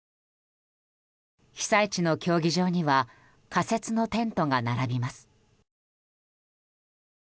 被災地の競技場には仮設のテントが並びます。